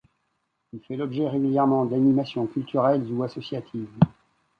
Il fait l'objet régulièrement d'animations culturelles ou associatives.